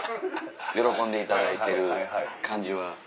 喜んでいただいてる感じは。